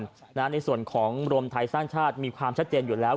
ในส่วนของรวมไทยสร้างชาติมีความชัดเจนอยู่แล้ว